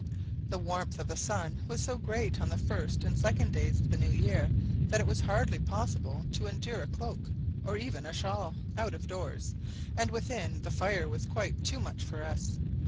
The warmth of the sun was so great on the first and second days of the new year that it was hardly possible to endure a cloak, or even shawl, out of doors; and within, the fire was quite too much for us.